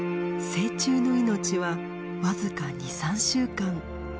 成虫の命はわずか２３週間。